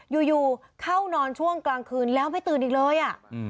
อยู่อยู่เข้านอนช่วงกลางคืนแล้วไม่ตื่นอีกเลยอ่ะอืม